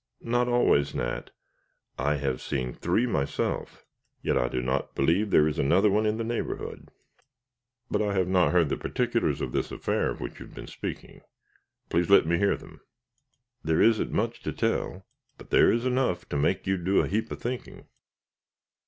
"Not always, Nat; I have seen three myself, yet I do not believe there is another one in the neighborhood. But I have not heard the particulars of this affair of which you have been speaking. Please let me hear them." "There isn't much to tell, but there is enough to make you do a heap of thinking.